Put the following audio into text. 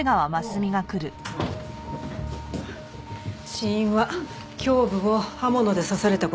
死因は胸部を刃物で刺された事による失血死。